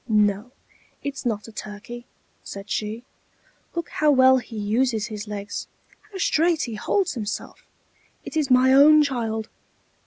"No, it's not a turkey," said she: "look how well he uses his legs, how straight he holds himself. It is my own child!